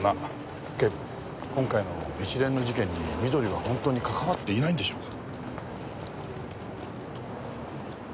警部今回の一連の事件に美登里は本当に関わっていないんでしょうか？